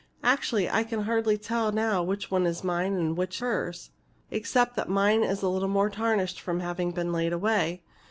"Actually, I can hardly tell now which is mine and which hers, except that mine is a little more tarnished from having been laid away.